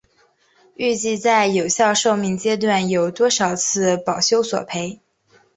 预计在有效寿命阶段有多少次保修索赔？